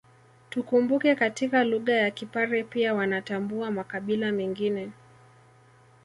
Tukumbuke katika lugha ya Kipare pia wanatambua makabila mengine